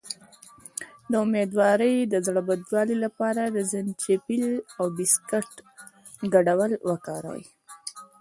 د امیدوارۍ د زړه بدوالي لپاره د زنجبیل او بسکټ ګډول وکاروئ